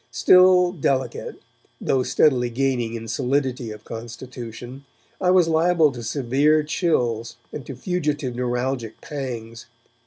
Still 'delicate', though steadily gaining in solidity of constitution, I was liable to severe chills and to fugitive neuralgic pangs.